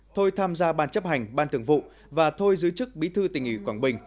thôi tham gia ban chấp hành ban thường vụ và thôi giữ chức bí thư tỉnh ủy quảng bình